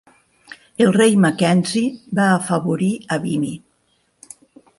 El rei Mackenzie va afavorir a Vimy.